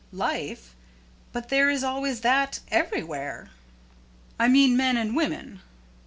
"Life? But there is always that everywhere." "I mean men and women."